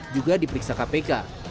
juga diperiksa kpk